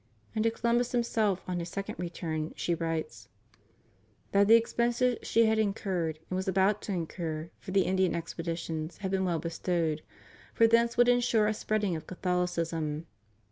And to Columbus himself, on his second return, she writes: "That the expenses she had r 268 THE COLUMBUS TERCENTENARY. incurred, and was about to incur, for the Indian expe ditions, had been well bestowed; for thence would ensure a spreading of Catholicism."